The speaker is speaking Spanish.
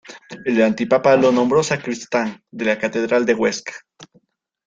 El antipapa lo nombró sacristán de la catedral de Huesca.